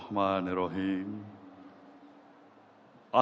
ketua anies baswedan